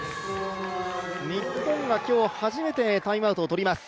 日本が今日初めてタイムアウトをとります。